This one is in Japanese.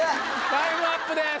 タイムアップです。